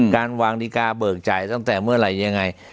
การวางดีการ์เบิกจ่ายตั้งแต่เมื่อไหร่ยังไง